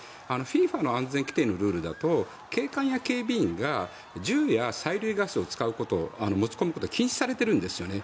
ＦＩＦＡの安全規定のルールだと警官や警備員が銃や催涙ガスを持ち込むことを禁止されているんですよね。